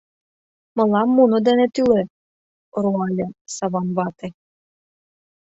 Мылам муно дене тӱлӧ! — руале Саван вате.